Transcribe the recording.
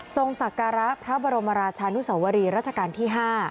ทรงศักราพระบรมราชานุสวรีรัชกาลที่๕